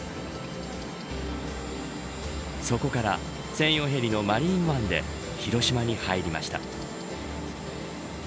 そこから専用ヘリのマリーワンで広島に入りました。